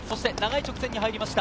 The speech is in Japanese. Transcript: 長い直線に入りました。